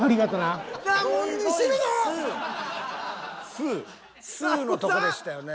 「スー」のとこでしたよね。